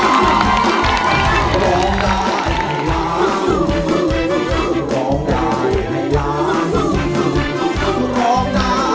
ร้องได้ให้ดัง